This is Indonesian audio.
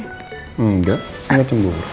engga ga cemburu